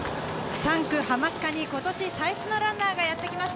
３区・浜須賀に今年最初のランナーがやってきました